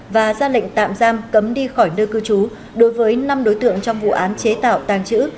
và ra lệnh tạm giam cấm đi khỏi nơi cư trú đối với năm đối tượng trong vụ án chế tạo tàng trữ